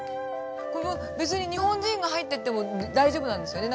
ここ別に日本人が入ってっても大丈夫なんですよね。